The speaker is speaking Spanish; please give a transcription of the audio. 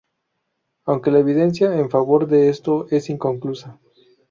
Aunque la evidencia en favor de esto es inconclusa.